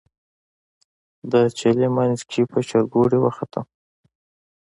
د چلې منځ کې په چورګوړي وختم.